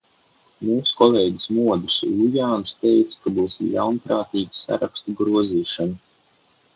Mūsu kolēģis Modris Lujāns teica, ka būs ļaunprātīga sarakstu grozīšana.